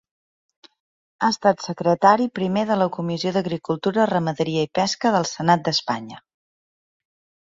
Ha estat secretari primer de la Comissió d'Agricultura, Ramaderia i Pesca del Senat d'Espanya.